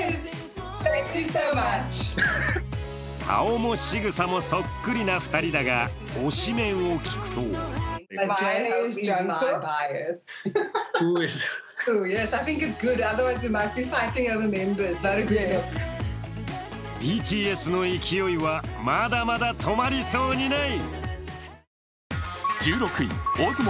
顔もしぐさもそっくりな２人だが、推しメンを聞くとＢＴＳの勢いはまだまだ止まりそうにない。